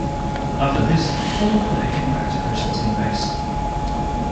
After this, the former player came back to coach the team base.